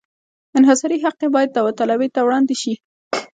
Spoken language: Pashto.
انحصاري حق یې باید داوطلبۍ ته وړاندې شي.